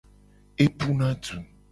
Epuna du.